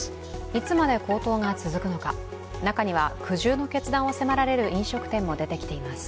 いつまで高騰が続くのか中には苦渋の決断を迫られる飲食店も出てきています。